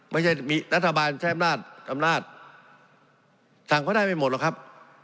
ไม่ใช่มีรัฐบาลใช้อำนาจอำนาจสั่งก็ได้ไม่หมดหรอกครับ